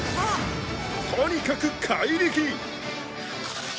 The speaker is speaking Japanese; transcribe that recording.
とにかく怪力！